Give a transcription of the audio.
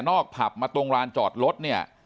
นอกผับมาตรงลานจอดรถเนี่ย